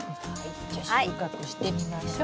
じゃあ収穫してみましょう。